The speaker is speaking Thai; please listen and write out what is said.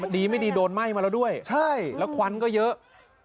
ดีไม่ดีโดนไหม้มาแล้วด้วยใช่แล้วควันก็เยอะ